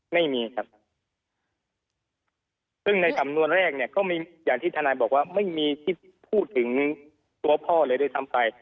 ไม่มีครับซึ่งในสำนวนแรกเนี่ยก็มีอย่างที่ทนายบอกว่าไม่มีคิดพูดถึงตัวพ่อเลยด้วยซ้ำไป